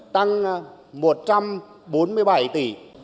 tăng một trăm bốn mươi bảy tỷ